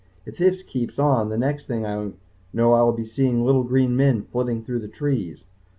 If this keeps on, the next thing I know I will be seeing little green men flitting through the trees....